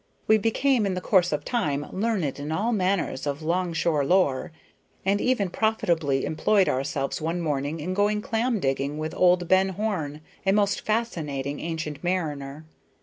We became in the course of time learned in all manner of 'longshore lore, and even profitably employed ourselves one morning in going clam digging with old Ben Horn, a most fascinating ancient mariner.